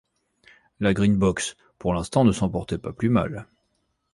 La Green-Box pour l’instant ne s’en portait pas plus mal.